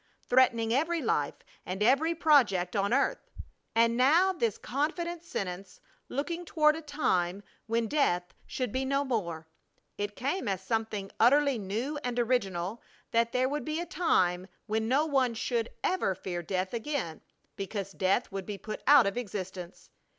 threatening every life and every project of earth! And now this confident sentence looking toward a time when death should be no more! It came as something utterly new and original that there would be a time when no one should, ever fear death again because death would be put out of existence!